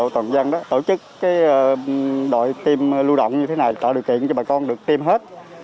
thành nạp các đội y tế lưu động trang bị đầy đủ các dụng cụ tiêm chủng cần thiết